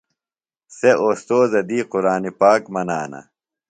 سےۡ استوذہ دی قرآنی پاک منانہ۔